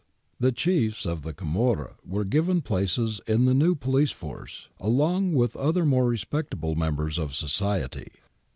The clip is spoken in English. The chiefs of the camorra were given places in the new police force, along with other more respectable members of society.